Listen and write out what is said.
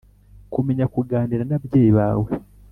Kumenya kuganira n ababyeyi bawe